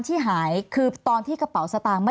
ใส่อยู่ทั้งปึ๊ก